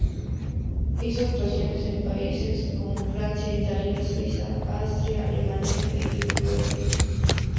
Hizo actuaciones en países como Francia, Italia, Suiza, Austria, Alemania y Yugoslavia.